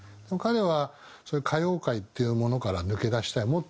でも彼はそういう歌謡界っていうものから抜け出したい。